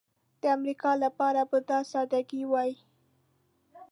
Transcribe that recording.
د امریکا لپاره به دا سادګي وای.